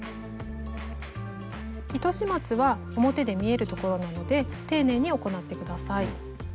糸始末は表で見えるところなので丁寧に行って下さい。